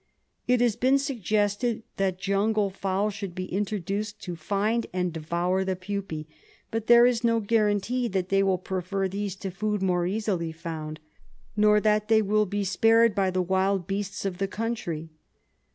It has been suggested that jungle fowl should be intro duced to find and devour the pupae ; but there is no guarantee that they will prefer these to food more easily found, nor that they will .be spared by the wild beasts of the country.